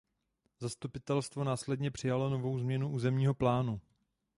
Zastupitelstvo následně přijalo novou změnu územního plánu.